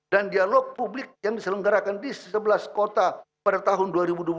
dan dialog publik yang diselenggarakan di sebelah kota pada tahun dua ribu dua puluh dua